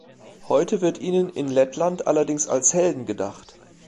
Heute wird ihnen in Lettland allerdings als Helden gedacht.